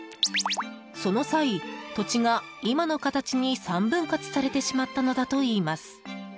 その際、土地が今の形に３分割されてしまったのだといいます。